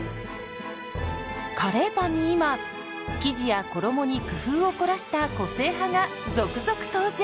カレーパンに今生地や衣に工夫を凝らした個性派が続々登場！